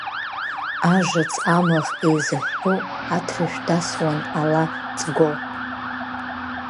Ажыц, амыӷ еизыҳәҳәо, атрышә дасуан, ала ҵго.